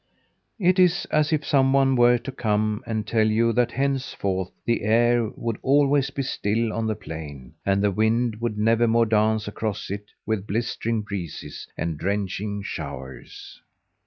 It is as if some one were to come and tell you that henceforth the air would always be still on the plain, and the wind would never more dance across it with blustering breezes and drenching showers.